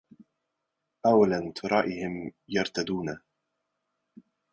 أولا تراهم يرتدون